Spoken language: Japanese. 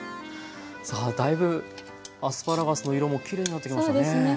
さあだいぶアスパラガスの色もきれいになってきましたね。